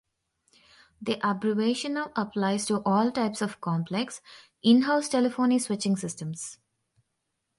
The abbreviation now applies to all types of complex, in-house telephony switching systems.